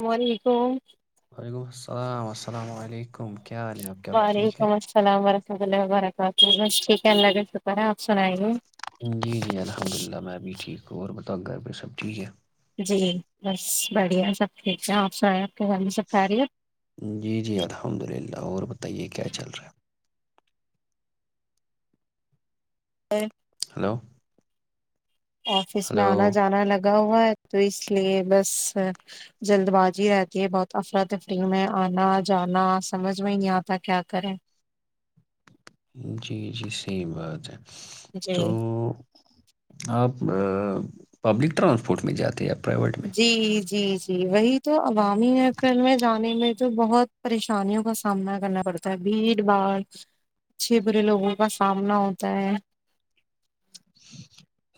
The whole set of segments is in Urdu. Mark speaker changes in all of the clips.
Speaker 1: الل و ععلیکم [inaudible]
Speaker 2: وعلیکم السلام السلام علیکم [inaudible] حم کیا حال ہے آپ کیا اب ٹھیک ہے [inaudible]
Speaker 1: س ب رہ [unintelligible] ہ بس ھیک ہے لگے [inaudible]
Speaker 2: جی جی الحمد للہ میں ابھی ٹھیک ہ [inaudible] اور اور بتاؤ گاھر بائی سب ٹھیک ہے [unintelligible]
Speaker 1: جی بس بڑھیا سب ٹھیک ہیں آپ سےا [unintelligible]
Speaker 2: جی جی الحمد للہ اور ب بتے کیا چل رہا ہے
Speaker 1: ا
Speaker 2: ہیلو
Speaker 1: آفس میں آنا جانا لگا ہوا ہے تو اس لیے بس جلد بازی رہتی ہے بہت افر تفری میں آنا جانا سمجھ میں نہیں آتا کیا کریں
Speaker 2: جی جی سیم بات ہے
Speaker 1: جی
Speaker 2: تو آپ پبلک ٹرانسپورٹ میں جاتے ہیں آپ
Speaker 1: جی جی جی جی وہی تو عوامی نکل میں جانے میں تو بہت پریشانیوں کا سامنا کرنا پڑتا ہے بھیڑ بھاڑ اچھے برے لوگوں کا سامنا ہوتا ہے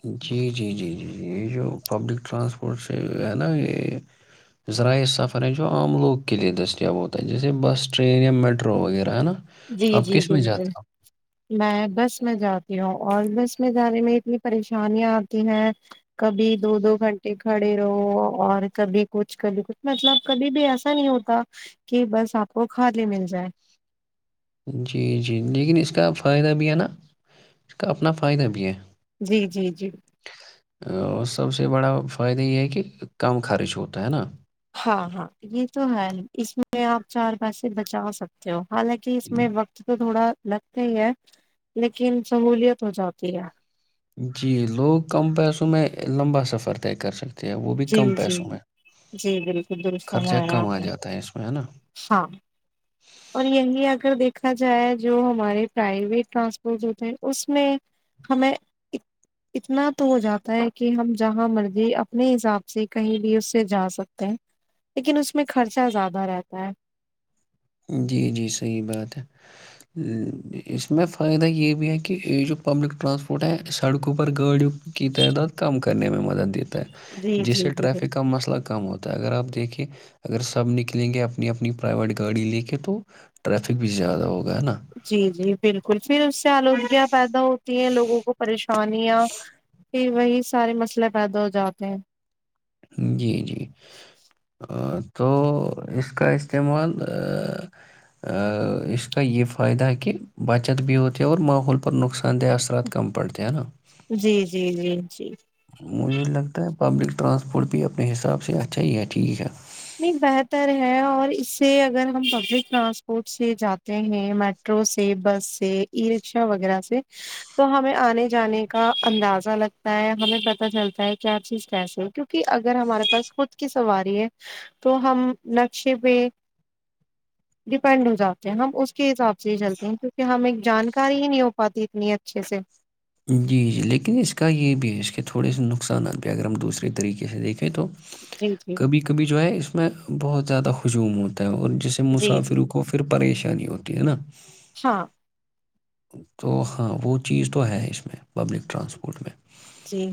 Speaker 2: جی جی جی جیی یہ جو پبلک ٹرانسپورٹ سے ہے نا یہ ذرائع سفر ہیں جو عام لوگ کے لیئے دستیاب ہوتا ہے جیسے بس ٹرین یا میٹرو وغیرہ ہے نا
Speaker 1: جی
Speaker 2: آپ
Speaker 1: جی
Speaker 2: کس میں
Speaker 1: بالکل
Speaker 2: جاتے
Speaker 1: میں بس میں جاتا اور بس میں جانے میں اتنی پریشانیاں آتی ہیں کبھی دو دو گھنٹے ک رہو اور کبھی کچھ کبھی کچھ مطلب کبھی بھی ایسا نہیں ہوتا کہ بس آپ کو کھا لے مل جائے
Speaker 2: جی جی لیکن اس کا فائدہ بھی ہے نا اس کا اپنا فائدہ بھی ہے
Speaker 1: جی جی جی
Speaker 2: سب سے بڑا فائدہ یہ ہے کہ کم خرچ ہوتا ہے نا
Speaker 1: ہاں ہاں یہ تو ہے اس میں آپ چار پیسے بچا سکتے ہو حالانکہ اس میں وقت تو تھوڑا لگتے ہیں لیکن سملیت ہو جاتی ہے
Speaker 2: جی لوگ کم پیسوں میں لمبا سفر طے کر سکتے ہیں وہ بھی
Speaker 1: جی
Speaker 2: کم
Speaker 1: جی
Speaker 2: پیسوں میں
Speaker 1: جی بالکل دستا
Speaker 2: خرچہ کم آ
Speaker 1: آپ
Speaker 2: جاتا ہے اس میں ہے نا
Speaker 1: ہاں اور یہگی اگر دیکھ دا جائے جو ہمارے پرائیویٹ ٹرانسپورٹ ہوتے ہیں اس میں ہمیں اتنا تو ہو جاتا ہے کہ ہم جہاں مرضی اپنے حساب سے کہیں بھی اس سے جا سکتے ہیں لیکن اس میں خرچہ زیادہ رہتا ہے
Speaker 2: جی جی صحیح بات ہے اس میں فائدہ یہ بھی ہے کہ یہ جو پبلک ٹرانسپورٹ ہے سڑکوں پر گاڑیوں کی تعداد کم کرنے میں مدد دیتی ہے
Speaker 1: جی
Speaker 2: جس
Speaker 1: جی جی
Speaker 2: سے
Speaker 1: بالکل
Speaker 2: ٹریفک کا مسئلہ کم ہوتا ہے اگر آپ دیکھیے اگر سب نکلیں گے اپنی اپنی پرائیویٹ گاڑی لے کے تو ٹریفک بھی زیادہ ہوگا ہے نا
Speaker 1: جی جی بالکل پھر اس سے آلودگیاں پیدا ہوتی ہیں لوگوں کو پریشانیاں پ وہی سارے مسئلے پیدا ہو جاتے ہیں
Speaker 2: جی جی اور تو اس کا استعمال اس کا یہ فائدہ ہے کہ بچت بھی ہوتی ہے اور ماحول پر نقصان دہ اثرات کم پڑتے ہیں نا
Speaker 1: جی جی جی جی
Speaker 2: مجھے لگتا ہے پبلک ٹرانسپورٹ بھی اپنے حساب سے اچھا ہی ہے ٹھیک ہے
Speaker 1: نہیں بہتر ہے اور اس سے اگر ہم پبلک ٹرانسپورٹ سے جاتے ہیں میٹرو سے بس سے ای رکشا وغیرہ سے تو ہمیں آنے جانے کا اندازہ لگتا ہے ہمیں پت چلتا ہے کیا چیز کیسے ہے کیونکہ اگر ہمارے پاس خود کی سواری ہے تو ہم نقشے پہ ڈیپینڈ ہو جاتے ہیں ہم اس کے حساب سے چلتے ہیں کیونکہ ہم ایک جانکاری ہی نہیں ہو پاتی اتنی اچھے سے
Speaker 2: جی جی لیکن اس کا یہ بھی ہے اس کے تھوڑے سے نقصانات بھی اگر ہم دوسرے طریقے سے دیکھیں تو
Speaker 1: جی جی
Speaker 2: کبھی کبھی جو ہے اس میں بہت زیادہ خشومت اور جسے
Speaker 1: جی جی
Speaker 2: مسافروں کو پھر پریشانی ہوتی ہے نا
Speaker 1: ہاں
Speaker 2: تو ہاں وہ چیز تو ہے اس میں پبلک ٹرانسپورٹ میں
Speaker 1: جی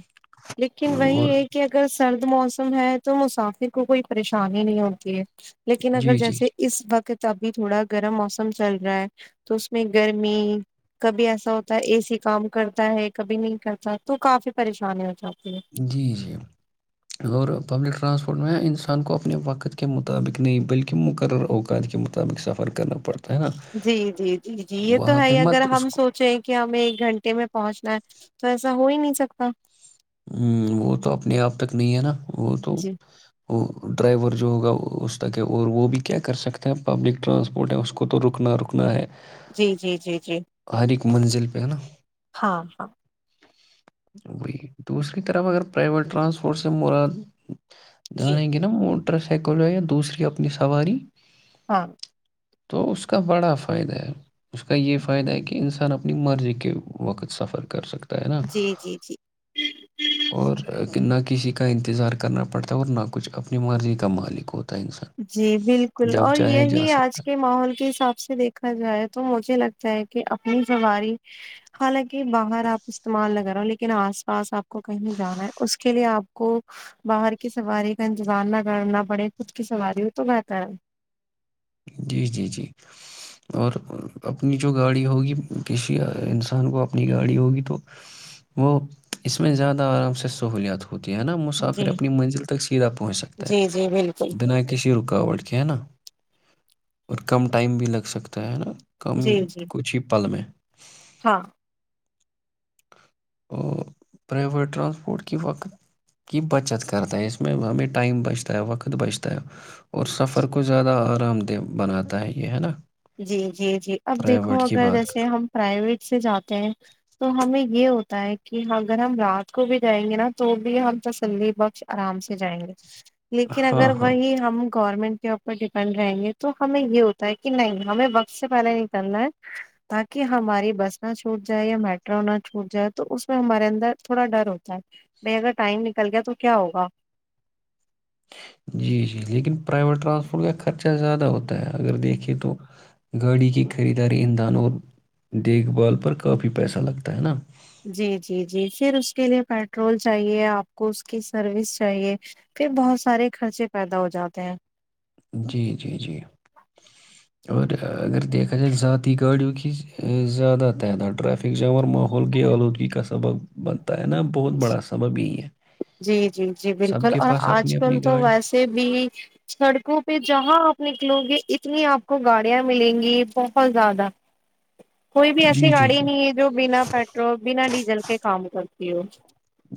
Speaker 1: لیکن وہی
Speaker 2: اور
Speaker 1: ہے کہ اگر سرد موسم ہے تو مسافر کو کوئی پریشانی نہیں ہوتی ہے لیکن
Speaker 2: جی
Speaker 1: اگر
Speaker 2: جی
Speaker 1: جیسے
Speaker 2: جی
Speaker 1: اس وقت ابھی تھوڑا گرم موسم چل رہا ہے تو اس میں گرمی کبھی ایسا ہوتا ہے اے سی کام کرتا ہے کبھی نہیں کرتا تو کافی پریشانی ہو جاتی ہے
Speaker 2: جی جی اور پبلک ٹرانسپورٹ میں انسان کو اپنے وقت کے مطابق نہیں بلکہ مقرر اوقات کے مطابق سفر کرنا پڑ
Speaker 1: جی جی جی جی یہ تو
Speaker 2: وہاں پہ
Speaker 1: ہے اگر
Speaker 2: مت اس
Speaker 1: ہم
Speaker 2: کو
Speaker 1: سوچے کہ ہمیں ایک گھنٹے میں پہنچنا ہے تو ایسا ہو ہی نہیں سکتا سکتا
Speaker 2: ہوں وہ تو اپنے آپ تک نہیں ہے نا وہ تو
Speaker 1: جی
Speaker 2: وہ ڈرائیور جو ہوگا اس تک ہے اور وہ بھی کیا کر سکتے ہیں پبلک ٹرانسپورٹ ہے اس کو تو رکنا رکنا ہے
Speaker 1: جی جی جی جی
Speaker 2: ہر ایک منزل
Speaker 1: ہاں ہاں
Speaker 2: ای دوسری طرف اگر پریویٹ ٹرانسپورٹ سے مراد
Speaker 1: جی
Speaker 2: جانیں گ نا موٹر سائیکل جو یا دوسری اپنی سواری
Speaker 1: ہاں
Speaker 2: تو اس کا بڑا فائدہ ہے اس کا یہ فائدہ ہے کہ انسان اپنی مرضی کے وقت سفر کر سکتا ہے نا
Speaker 1: جی جی جی
Speaker 2: اور کہ نہ کسی کا انتظار کرنا پڑتا ہے اور نہ کچھ اپنی مرضی کا مالک ہوتا ہے انسان
Speaker 1: جی بالکل
Speaker 2: جب
Speaker 1: اور
Speaker 2: چاہے جا
Speaker 1: یہی آج
Speaker 2: سکتا ہے
Speaker 1: کے ماحول کے حساب سے دیکھا جائے تو مجھے لگتا ہے کہ اپنی سواری حالانکہ باہر آپ استعمال نہ کرو لیکن آج پاس آپ کو کہیں جانا ہے اس کے لیے آپ کو باہر کی سواری کا انتظار نہ کرنا پڑے کچھ کی سواری ہو تو بتا ہے
Speaker 2: جی جی جی اور اپنی جو گاڑی ہوگی کسی انسان کو اپنی گاڑی ہوگی تو وہ اس میں زیادہ آرام سے سہولیات ہو ہوتی ہے نا مسافر
Speaker 1: جی
Speaker 2: اپنی منزل تک سیدھا پہنچ سکتا
Speaker 1: جی جی بالکل
Speaker 2: ہے بنا کسی رکاوٹ کے ہے نا اور کم ٹائم بھی لگ سکتا ہے نا کمی
Speaker 1: جی
Speaker 2: ہی
Speaker 1: جی
Speaker 2: کچھ ہی پل میں
Speaker 1: ہاں
Speaker 2: اور پرائیویٹ ٹرانسپورٹ کی وقت کی بچت کرتا ہے اس میں ہمیں ٹائم بچتا ہے وقت بچتا ہے اور سفر کو زیادہ آرام دہ بناتا ہے یہ ہے نا
Speaker 1: جی جی جی اب دیکھو
Speaker 2: پرائیویٹ کی
Speaker 1: اگر
Speaker 2: بات
Speaker 1: جیسے ہم پرائیویٹ سے جاتے ہیں تو ہمیں یہ ہوتا ہو ہے کہ اگر ہم رات کو بھی جائیں گے نا تو بھی ہم تسلی بخش آرام سے جائیں گے لیکن اگر
Speaker 2: ہاں ہاں
Speaker 1: وہی ہم گورنمنٹ کے اوپر ڈیپینڈ رہیں گے تو ہمیں یہ ہوتا ہے کہ نہیں ہمیں وقت سے پہلے نکلنا ہے تاکہ ہماری بس نہ چھوٹ جائے یا میٹرو نہ چھوٹ جائے تو اس میں ہمارے اندر تھوڑا ڈر ہوتا ہے بائی اگر ٹائم نکل گیا تو کیا ہوگا
Speaker 2: جی جی لیکن پرائیویٹ ٹرانسپورٹ کا خرچہ زیادہ ہوتا ہے ہوتا ہے اگر دیکھیں تو گاڑی کی خریداری اندھان اور دیکھ بھال پر کافی پیسہ لگتا ہے نا
Speaker 1: [inaudible]
Speaker 2: جی جی جی اور اگر دیکھا جائے ذاتی گاڑیوں کی زیادہ تعداد ریفک جام اور ماحول کے آلودگی کا سبق بند
Speaker 1: جی جی جی
Speaker 2: سب
Speaker 1: بالکل
Speaker 2: کے
Speaker 1: اور
Speaker 2: پاس
Speaker 1: آج
Speaker 2: اپنی
Speaker 1: کل
Speaker 2: اپنی
Speaker 1: تو
Speaker 2: گاڑی
Speaker 1: ویسے بھی سڑک ک پہ جہاں آپ نکلو گے اتنی آپ کو گاڑیاں ملیں گی بہت زیادہ کوئی بھی ایسی
Speaker 2: جی جی
Speaker 1: گاڑی
Speaker 2: جی
Speaker 1: نہیں ہے جو بنا پیٹرول بنا ڈیزل کے کام کرتے جی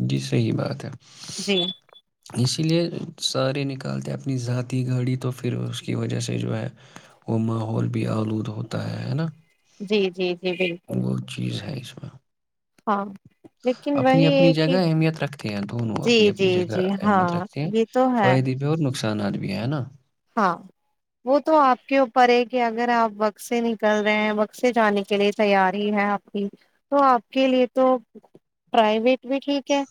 Speaker 2: جی صحیح بات ہے اسی لیے سارے نکالتے ہیں اپنی ذاتی گاڑی تو پھر اس کی وجہ سے جو ہے وہ ماحول بھی آلود ہوتا ہے ہے نا
Speaker 1: جی جی جی بالکل
Speaker 2: وہ چیز ہے اس میں
Speaker 1: ہاں لیکن
Speaker 2: اپنی
Speaker 1: وہی
Speaker 2: اپنی
Speaker 1: ہے
Speaker 2: جگہ
Speaker 1: کہ
Speaker 2: اہمیت رکھتے ہیں دونوں
Speaker 1: جی
Speaker 2: اپنی اپنی
Speaker 1: جی
Speaker 2: جگہ
Speaker 1: جی ہاں
Speaker 2: اہمیت رکھتے ہیں
Speaker 1: یہ تو ہے
Speaker 2: فائدے بھی اور ن نقصانات بھی ہے نا
Speaker 1: ہاں وہ تو آپ کے اوپر ہے کہ اگر آپ وقت سے نکل رہے ہیں وقت سے جانے کے لیے تیاری ہے آپ کی تو آپ کے لیے تو پرائیویٹ بھی ٹھیک ہے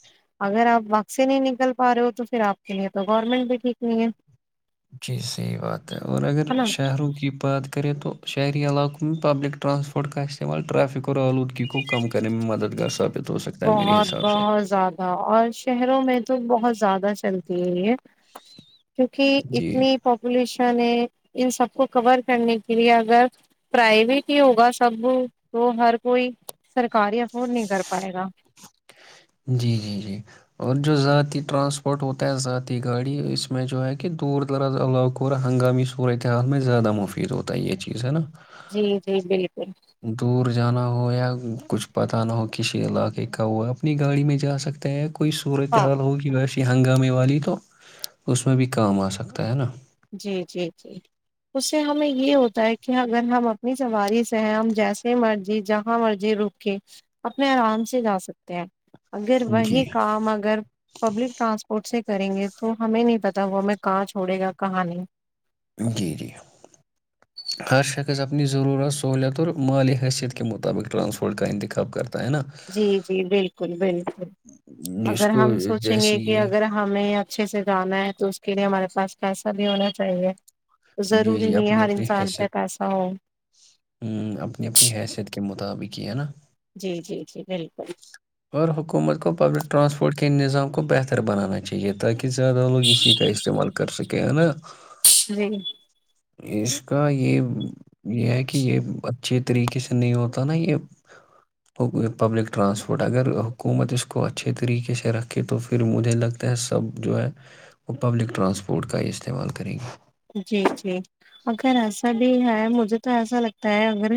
Speaker 1: اگر آپ وقت سے نہیں نکل پا رہے ہو تو پھر آپ کے لیے تو گورنمنٹ بھی ٹھیک نہیں ہے
Speaker 2: جی صحیح بات ہے اور اگر
Speaker 1: ہے نا
Speaker 2: شہروں کی بات کریں تو شہری علاقوں م میں پبلک رانسپٹ کا استعمال ریفک اور آلودگی کو کم کرنے میں مد گار سبق
Speaker 1: بہت بہت زیادہ اور شہروں میں تو بہت زیادہ چلتا ج کیونکی
Speaker 2: جی
Speaker 1: اتنی پاپولیشن ان سب کو کور کرنے کے لیے اگر پرائیویٹ ہی ہوگا سب تو ہر کوئی سرکاری افورڈ نہیں کر پائے گا
Speaker 2: جی جی جی اور جو ذاتی ٹرانسپورٹ ہوتا ہے ذاتی گاڑی اس میں جو ہے کہ دور دراز علاقوں اور ہنگامی صورت حال میں زیادہ مفید ہوتا ہے یہ چیز ہے نا
Speaker 1: جی جی بالکل
Speaker 2: دور جانا ہو یا کچھ پت نہ ہو کسی علاقے کا ہوا اپنی گاڑی میں جا سکتا ہے کوئی صورت
Speaker 1: ہاں
Speaker 2: حال ہوگی ویش کہ ہنگامے والی تو اس میں بھی کام آ سکتا ہے نا
Speaker 1: جی جی جی اس سے ہمیں یہ ہوتا ہے کہ اگر ہم اپنی سواری سے ہیں ہم جیسے مرضی جہاں مرضی رک کے اپنے آرام سے جا سکتے ہیں اگر
Speaker 2: جی
Speaker 1: وہی کام اگر پبلک ٹرانسپورٹ سے کریں گے تو ہمیں پتا وہ ہمیں کہاں چھڑے گا کہانی
Speaker 2: جی جی ہر شخص اپنی ضرورت سہوولت اور مالی حیثیت کے مطابق رانسپورٹ کا انتخاب کرنا
Speaker 1: جی جی بالکل بالکل
Speaker 2: جس
Speaker 1: اگر
Speaker 2: کو
Speaker 1: ہم سوچیں گے
Speaker 2: جیسی
Speaker 1: کہ
Speaker 2: یہ
Speaker 1: اگر ہمیں اچھے سے جانا ہے تو اس کے لیے ہمارے پاس پیسا بھی ہونا چاہیے
Speaker 2: جی
Speaker 1: ضروری
Speaker 2: جی
Speaker 1: نہیں ہے
Speaker 2: اپنی
Speaker 1: ہر
Speaker 2: اپنی
Speaker 1: انسان پہ
Speaker 2: حیثیت
Speaker 1: پیسہ ہو
Speaker 2: ہ اپنی اپنی حیثیت کے مطابق یہ ہے نا
Speaker 1: جی جی جی بالکل
Speaker 2: اور حکومت کو پبلک ٹرانسپورٹ کے نظام کو بہتر بنانا چاہیے تاکہ زیادہ لوگ اسی کا استعمال کر کر سکے ہے نا
Speaker 1: شری [inaudible]
Speaker 2: اس کا یہ یہ ہے کہ یہ اچھے طریقے سے نہیں ہوتا نا یہ پبلک ٹرانسپورٹ اگر حکومت اس کو اچھے طریقے سے رکھے تو پھر مجھے لگتا ہے سب جو ہے وہ پبلک ٹرانسپورٹ کا ہی استعمال کرے گی
Speaker 1: جی جی اگر ایسا بھی ہے مج مجھے تو ایسا لگتا ہے اگر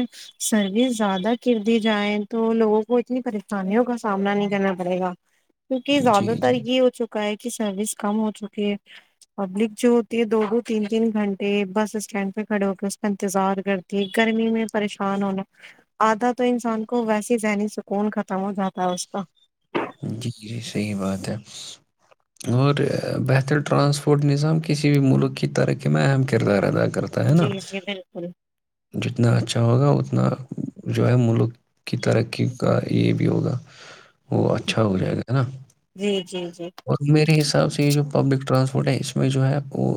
Speaker 1: سروس زیادہ کرر دی جائے تو لوگوں کو اتنی پریشانیوں کا سامنا نہیں کرنا پڑے گا کیونکہ
Speaker 2: جی
Speaker 1: زیادہ تر
Speaker 2: جی
Speaker 1: یہ ہو چکا ہے کی سروس کم ہو چکی ہے پبلک جو ہوتی ہے دگوں تین تین گھنٹے بس اسٹینڈ پہ کھڑے ہو کے اس کا انتظار کرتی ہے گرمی میں پریشان ہونا آدھا تو انسان کو ویسے ذہنی سکون ختم ہو جاتا ہے اس کا
Speaker 2: جی جی صحیح بات ہے اور بہتر ٹرانسپورٹ نظام کسی بھی ملک کی ترقی میں اہم کردار ادا کرتا ہے نا
Speaker 1: جی جی بالکل
Speaker 2: جتنا اچھا ہوگا اتنا اپنا جو ہے ملک کی ترقی کا یہ بھی ہوگا وہ اچھا ہو جائے گا نا
Speaker 1: جی جی جی
Speaker 2: اور میرے حساب سے یہ جو پبلک ٹرانسپورٹ ہے اس میں جو ہے وہ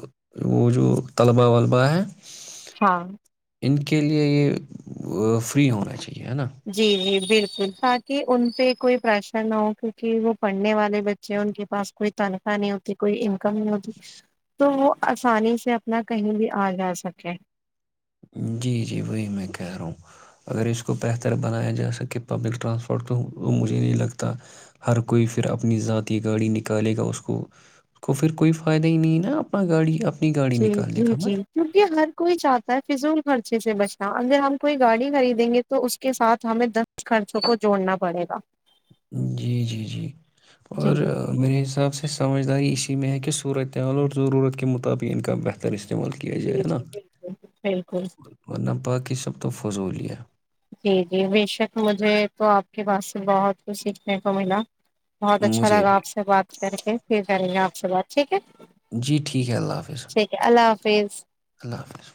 Speaker 2: وہ جو طلبہ ولبا ہے
Speaker 1: ہاں
Speaker 2: کے لیے یہ فری ہونا چاہیے ہے نا
Speaker 1: جی جی بالکل تاکہ ان پہ کوئی پریشر نہ ہو کیونکہ وہ پڑھنے والے بچے ہیں ان کے پاس کوئی تنخواہ نہیں ہوتی کوئی انکم نہیں ہوتی تو وہ آسانی سے اپنا کہیں بھی آ جا سکے
Speaker 2: جی جی وہی میں کہہ رہا ہوں اگر اس کو بہتر بنایا جا سکے پبلک ٹرانسپورٹ تو مجھے نہیں لگتا ہر کوئی پھر اپنی ذاتی گاڑی نکالے گا اس کو اس کو پھر کوئی فائدہ ہی نہیں نا اپنا گاڑی اپنی گاڑی
Speaker 1: جی
Speaker 2: نکالنے
Speaker 1: جی
Speaker 2: کا
Speaker 1: جی
Speaker 2: مت
Speaker 1: کیونکہ ہر کوئی چاہتا ہے فضول خرچے سے بچنا اگر ہم کوئی گاڑی خریدیں گے تو اس کے ساتھ ہمیں دس خرچوں کو جوڑنا پڑے گا
Speaker 2: جی جی جی
Speaker 1: جی
Speaker 2: اور میرے حساب سے سمجھداری اسی کہ م میں ہیک صورت عل اور ضرورت کے مطابق انک کا بہتر اس استعمال کیا جائے
Speaker 1: جی
Speaker 2: نا
Speaker 1: جی بالکل بالکل
Speaker 2: ورنہ بااکی سب تو فضولیا
Speaker 1: جی جی بے شک مجھے تو آپ کے پاس سے بہت کچھ سیکھنے کو ملا بہت اچھا
Speaker 2: مجھے
Speaker 1: لگا
Speaker 2: بھی
Speaker 1: آپ سے بات کر کے پھر کریں گے آپ اچا بات ٹھیک ہے
Speaker 2: جی ٹھیک ہے اللہ حافظ
Speaker 1: ٹھیک ہے اللہ حافظ
Speaker 2: اللہ حافظ